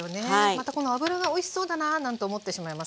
またこの油がおいしそうだなんて思ってしまいますが。